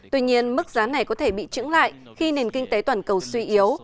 tuy nhiên mức giá này có thể bị trứng lại khi nền kinh tế toàn cầu suy yếu